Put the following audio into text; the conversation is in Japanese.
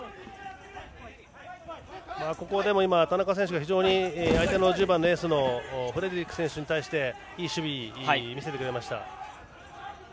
田中選手が非常に相手の１０番、エースのフレデリック選手に対していい守備を見せてくれました。